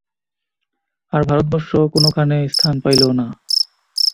আর, ভারতবর্ষ কোনোখানে স্থান পাইল না!